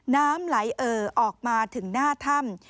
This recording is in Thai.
น้ำไหลเอ่อออกมาถึงหน้าถ้ำ